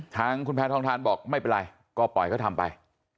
ทางคุณแพทองทานบอกไม่เป็นไรก็ปล่อยเขาทำไป